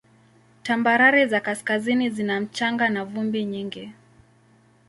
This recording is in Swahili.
Tambarare za kaskazini zina mchanga na vumbi nyingi.